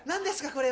これ。